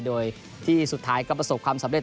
โดยที่สุดท้ายก็ประสบความสำเร็